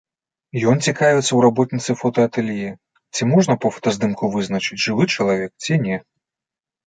Ён цікавіцца ў работніцы фотаатэлье, ці можна па фотаздымку вызначыць, жывы чалавек ці не.